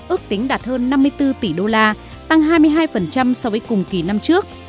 ước tính đạt hơn năm mươi bốn tỷ đô la tăng hai mươi hai so với cùng kỳ năm trước